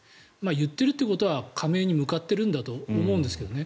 言っているということは加盟に向かっているんだと思うんですけどね。